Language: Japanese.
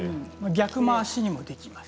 逆回しもできます。